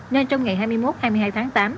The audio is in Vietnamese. nên trong ngày hai mươi một hai mươi hai tháng tám